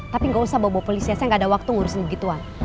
tapi nggak usah bawa bawa polisi ya saya nggak ada waktu ngurusin begituan